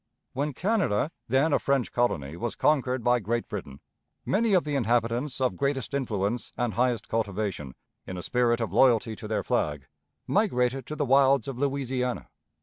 When Canada, then a French colony, was conquered by Great Britain, many of the inhabitants of greatest influence and highest cultivation, in a spirit of loyalty to their flag, migrated to the wilds of Louisiana.